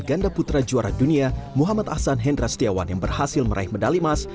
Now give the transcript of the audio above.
ganda putra juara dunia muhammad ahsan hendra setiawan yang berhasil meraih medali emas